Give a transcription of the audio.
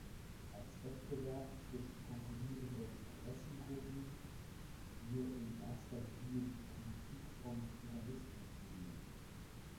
Als Wettbewerb zwischen konkurrierenden Interessengruppen wir in erster Linie die Politik vom Pluralismus gesehen.